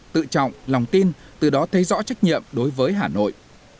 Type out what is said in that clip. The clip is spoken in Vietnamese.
tự trọng lòng tin từ đó thấy rõ trách nhiệm đối với hà nội